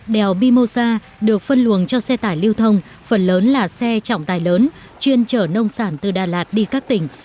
đèo mimosa được phân luồng cho xe tải lưu thông phần lớn là xe trọng tài lớn chuyên chở nông sản từ đà lạt đi các tỉnh